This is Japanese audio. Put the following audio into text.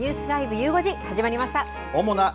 ゆう５時始まりました。